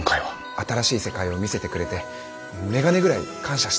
新しい世界を見せてくれて眼鏡ぐらい感謝してます。